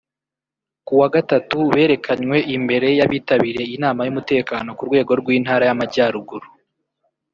kuwa Gatatu berekanywe imbere y’abitabiriye inama y’umutekano ku rwego rw’Intara y’Amajyaruguru